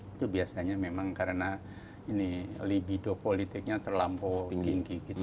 itu biasanya memang karena libido politiknya terlampau tinggi